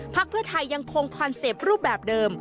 เพื่อไทยยังคงคอนเซ็ปต์รูปแบบเดิม